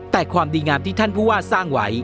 แต่ความดีงามที่ท่านผู้ว่าสร้างไว้